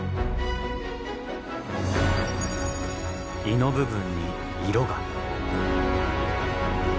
胃の部分に色が。